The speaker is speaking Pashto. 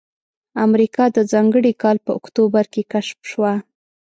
امریکا د ځانګړي کال په اکتوبر کې کشف شوه.